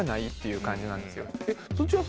いう感じなんですよ。